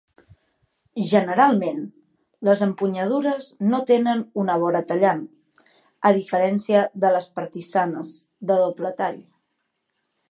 Generalment, les empunyadures no tenen una vora tallant, a diferència de les partisanes de doble tall.